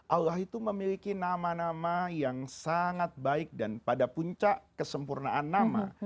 allah itu memiliki nama nama yang sangat baik dan pada puncak kesempurnaan nama